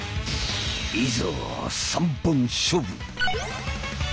いざ３本勝負！